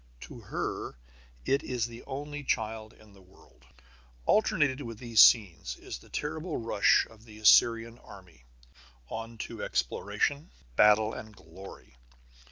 To her it is the only child in the world. Alternated with these scenes is the terrible rush of the Assyrian army, on to exploration, battle, and glory.